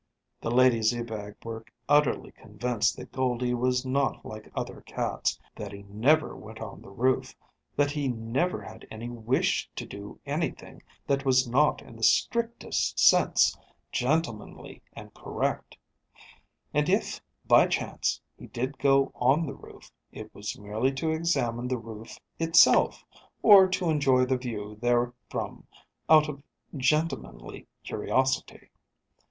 The ladies Ebag were utterly convinced that Goldie was not like other cats, that he never went on the roof, that he never had any wish to do anything that was not in the strictest sense gentlemanly and correct. And if by chance he did go on the roof, it was merely to examine the roof itself, or to enjoy the view therefrom out of gentlemanly curiosity.